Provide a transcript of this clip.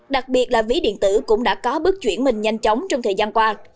đặc biệt là ví điện tử cũng đã có bước chuyển mình nhanh chóng trong thời gian qua